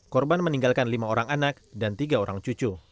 korban meninggalkan lima orang anak dan tiga orang cucu